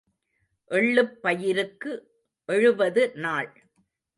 எள்ளுப் பயிருக்கு எழுபது நாள்.